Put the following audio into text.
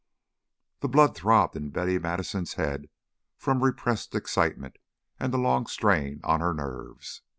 The blood throbbed in Betty Madison's head from repressed excitement and the long strain on her nerves.